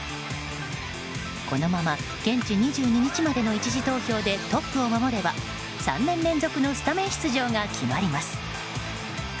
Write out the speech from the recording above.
このまま現地２２日までの１次投票でトップを守れば３年連続のスタメン出場が決まります。